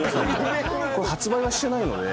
発売はしてないので。